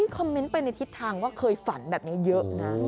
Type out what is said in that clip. คอมเมนต์ไปในทิศทางว่าเคยฝันแบบนี้เยอะนะ